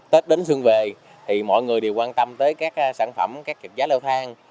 tết đến xuân về thì mọi người đều quan tâm tới các sản phẩm các kiệp giá lao thang